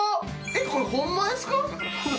えっこれホンマですか？